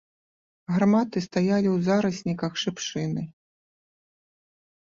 Гарматы стаялі ў зарасніках шыпшыны.